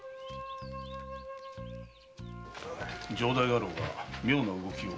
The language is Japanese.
城代家老が妙な動きを？